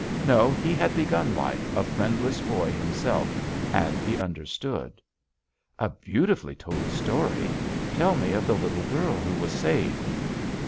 No, he had begun life a friend less boy himself, and he understood." "A beautifully told story. Tell me of the little girl who was saved."